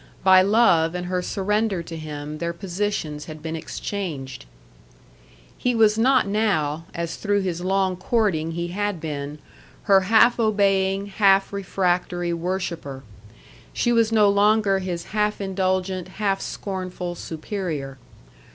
By love and her surrender to him their positions had been exchanged. He was not now, as through his long courting he had been, her half obeying, half refractory worshipper. She was no longer his half indulgent, half scornful superior.